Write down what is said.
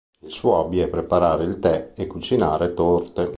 Il suo hobby è preparare il tè e cucinare torte.